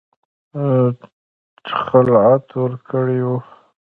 خلعت ورکړی وو.